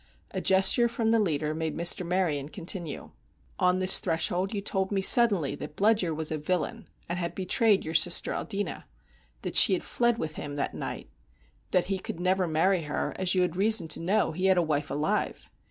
A gesture from the leader made Mr. Maryon continue: "On this threshold you told me suddenly that Bludyer was a villain, and had betrayed your sister Aldina; that she had fled with him that night; that he could never marry her, as you had reason to know he had a wife alive.